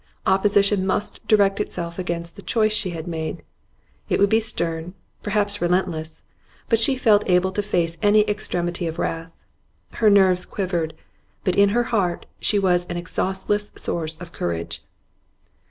Opposition must direct itself against the choice she had made. It would be stern, perhaps relentless; but she felt able to face any extremity of wrath. Her nerves quivered, but in her heart was an exhaustless source of courage.